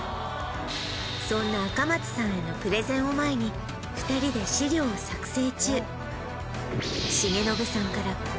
そんな赤松さんへのプレゼンを前に２人で資料を作成